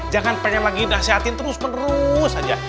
jangan pengen lagi nasihatin terus terus saja